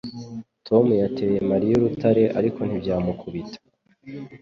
Tom yateye Mariya urutare, ariko ntibyamukubita.